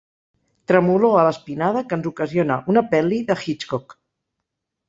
Tremolor a l'espinada que ens ocasiona una pel·li de Hitchcock.